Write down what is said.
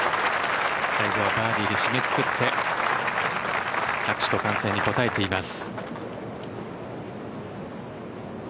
最後はバーディーで締めくくって拍手と歓声に応えています。